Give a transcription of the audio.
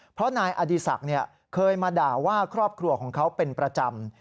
เพราะนายอดีศักดิ์เคยมาด่าว่าครอบครัวของเขาเป็นประจำ